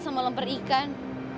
sama lemper ikan